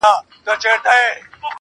ما خپل گڼي اوس يې لا خـپـل نه يـمه.